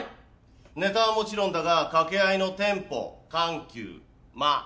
ネタはもちろんだが掛け合いのテンポ緩急間。